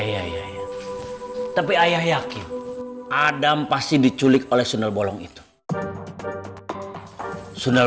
iya iya iya tapi ayah yakin adam pasti diculik oleh sundar bolong itu sundar